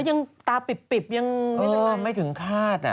ยังตาปิบยังไม่ถึงคาด